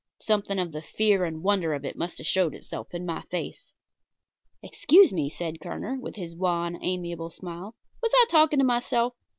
Something of the fear and wonder of it must have showed itself in my face. "Excuse me," said Kerner, with his wan, amiable smile; "was I talking to myself?